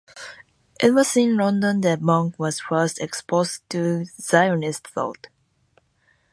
It was in London that Monk was first exposed to Zionist thought.